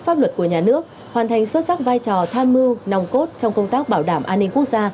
pháp luật của nhà nước hoàn thành xuất sắc vai trò tham mưu nòng cốt trong công tác bảo đảm an ninh quốc gia